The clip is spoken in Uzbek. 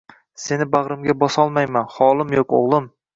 Seni bag‘rimga bosolmayman, holim yo‘q, o‘g‘lim